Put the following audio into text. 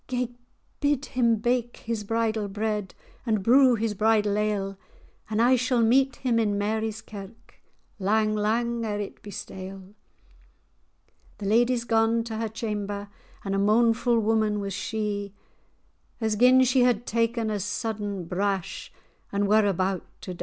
"Gae bid him bake his bridal bread, And brew his bridal ale; And I shall meet him in Mary's Kirk, Lang, lang ere it be stale." The lady's gane to her chamber, And a moanfu' woman was she; As gin[#] she had taken a sudden brash[#] And were about to die.